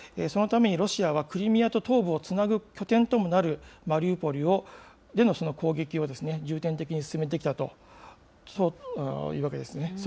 そのためにロシアはクリミアと東部をつなぐ拠点ともなるマリウポリでのその攻撃を、重点的に進めてきたというわけですね。